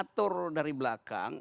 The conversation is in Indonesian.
diatur dari belakang